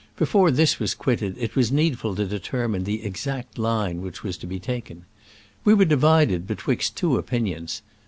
Before this was quitted it was needful to determine the exact line which was to be taken. We were divided betwixt two opinions.